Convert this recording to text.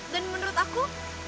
dan menurut aku